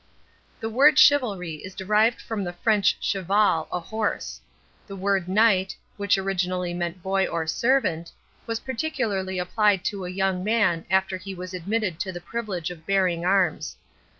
The word "Chivalry" is derived from the French "cheval," a horse. The word "knight," which originally meant boy or servant, was particularly applied to a young man after he was admitted to the privilege of bearing arms.